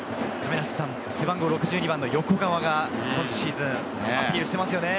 背番号６２番の横川が今シーズンアピールしていますよね。